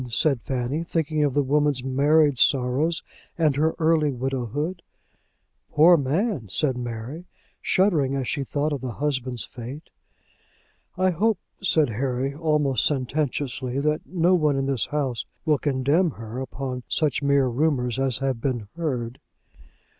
said Fanny, thinking of the woman's married sorrows, and her early widowhood. "Poor man," said Mary, shuddering as she thought of the husband's fate. "I hope," said Harry, almost sententiously, "that no one in this house will condemn her upon such mere rumours as have been heard."